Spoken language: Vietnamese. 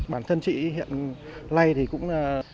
bản thân chị hiện nay thì cũng